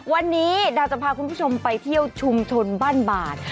วันนี้ดาวจะพาคุณผู้ชมไปเที่ยวชุมชนบ้านบาด